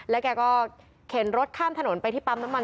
แล้วแกก็เข็นรถข้ามถนนไปที่ปั๊มมัน